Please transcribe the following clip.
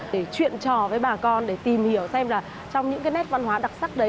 để chuyện trò với bà con để tìm hiểu xem là trong những cái nét văn hóa đặc sắc đấy